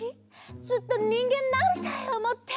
ずっとにんげんになりたいおもってたの。